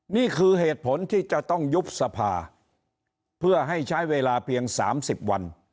นี่คือเหตุผลที่จะต้องยุบสภาเพื่อให้ใช้เวลาเพียง๓๐วัน